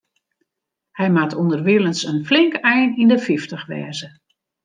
Hy moat ûnderwilens in flink ein yn de fyftich wêze.